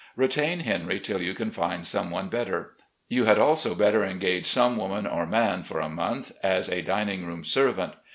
Retain Henry till you can find some one better. You had also better engage some woman or man for a month as a dining room servant.